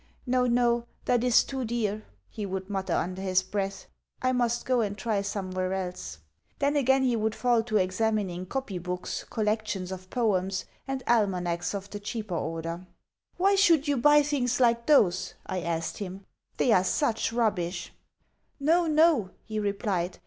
"No, no, that is too dear," he would mutter under his breath. "I must go and try somewhere else." Then again he would fall to examining copy books, collections of poems, and almanacs of the cheaper order. "Why should you buy things like those?" I asked him. "They are such rubbish!" "No, no!" he replied.